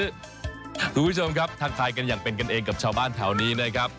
คุณผู้ชมครับทักทายกันอย่างเป็นกันเองกับชาวบ้านแถวนี้นะครับ